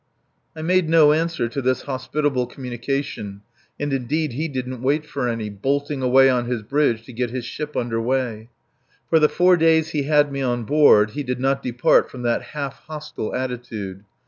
I made no answer to this hospitable communication; and, indeed, he didn't wait for any, bolting away on to his bridge to get his ship under way. The three days he had me on board he did not depart from that half hostile attitude.